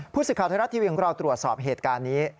สิทธิ์ไทยรัฐทีวีของเราตรวจสอบเหตุการณ์นี้